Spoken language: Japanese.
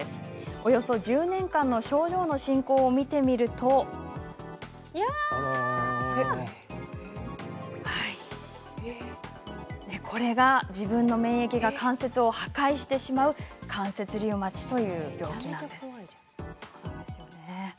およそ１０年間の症状の進行を見てみるとこれが、自分の免疫が関節を破壊してしまう関節リウマチという病気なんです。